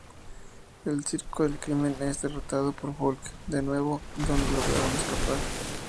El Circo del Crimen es derrotado por Hulk de nuevo, donde lograron escapar.